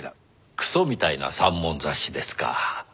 「クソみたいな三文雑誌」ですか。